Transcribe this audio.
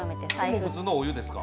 それは普通のお湯ですか？